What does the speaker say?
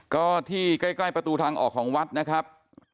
ก็ที่ใกล้ประตูทางออกของวัดนะครับ